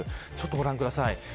ご覧ください。